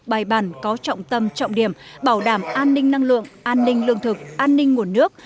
bài bản có trọng tâm trọng điểm bảo đảm an ninh năng lượng an ninh lương thực an ninh nguồn nước